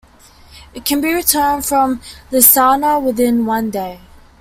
It can be returned from Lhasa within one day.